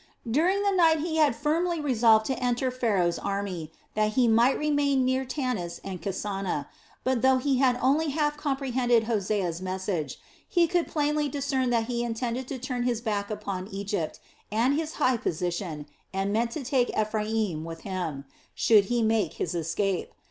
During the night he had firmly resolved to enter Pharaoh's army, that he might remain near Tanis and Kasana; but though he had only half comprehended Hosea's message, he could plainly discern that he intended to turn his back upon Egypt and his high position and meant to take Ephraim with him, should he make his escape.